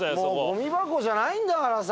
ゴミ箱じゃないんだからさ。